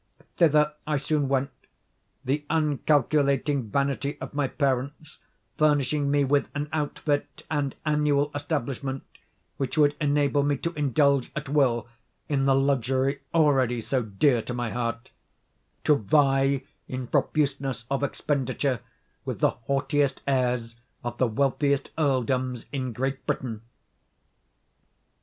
Thither I soon went; the uncalculating vanity of my parents furnishing me with an outfit and annual establishment, which would enable me to indulge at will in the luxury already so dear to my heart,—to vie in profuseness of expenditure with the haughtiest heirs of the wealthiest earldoms in Great Britain.